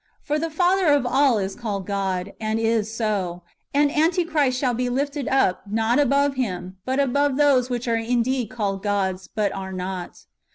For the Father of all is called God, and is so ; and Antichrist shall be lifted up, not above Him, but above those which are indeed called gods, but are not.